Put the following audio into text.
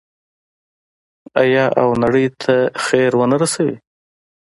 آیا او نړۍ ته خیر ورنه رسوي؟